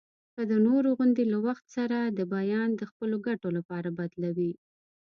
که د نورو غوندي له وخت سره د بیان د خپلو ګټو لپاره بدلوي.